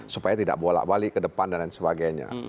supaya tidak bolak balik ke depan dan lain sebagainya